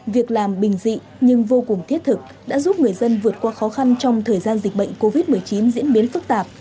việc làm bình dị nhưng vô cùng thiết thực đã giúp người dân vượt qua khó khăn trong thời gian dịch bệnh covid một mươi chín diễn biến phức tạp